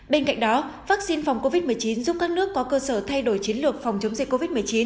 bên cạnh đó vaccine phòng covid một mươi chín giúp các nước có cơ sở thay đổi chiến lược phòng chống dịch covid một mươi chín